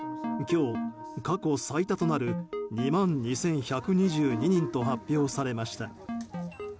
今日、過去最多となる２万２１２２人と発表されました。